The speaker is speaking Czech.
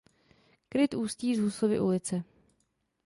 Kryt ústí z Husovy ulice.